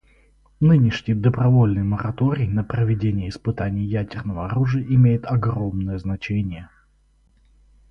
Нынешний добровольный мораторий на проведение испытаний ядерного оружия имеет огромное значение.